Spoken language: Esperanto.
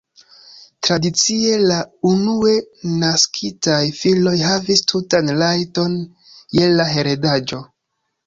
Tradicie la unue naskitaj filoj havis tutan rajton je la heredaĵo.